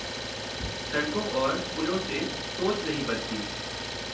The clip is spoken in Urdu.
سڑکوں اور پلوں سے سوچ نہیں بنتی۔